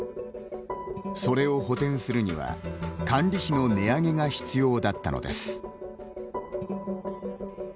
それを補てんするには管理費の値上げが必要だったのです。